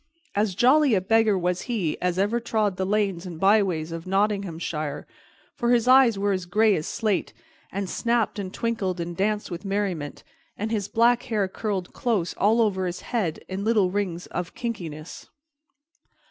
As jolly a beggar was he as ever trod the lanes and byways of Nottinghamshire, for his eyes were as gray as slate, and snapped and twinkled and danced with merriment, and his black hair curled close all over his head in little rings of kinkiness.